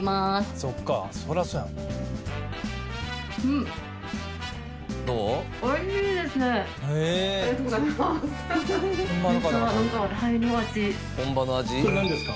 それなんですか？